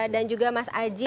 dan juga mas aji